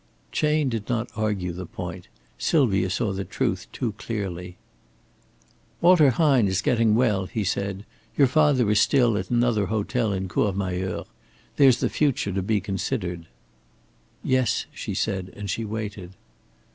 Chayne did not argue the point. Sylvia saw the truth too clearly. "Walter Hine is getting well," he said. "Your father is still at another hotel in Courmayeur. There's the future to be considered." "Yes," she said, and she waited.